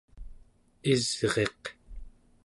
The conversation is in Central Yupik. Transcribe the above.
isriq